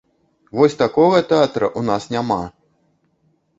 Вось такога тэатра ў нас няма!